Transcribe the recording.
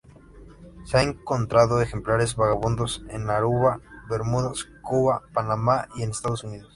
Se han encontrado ejemplares vagabundos en Aruba, Bermudas, Cuba, Panamá y en Estados Unidos.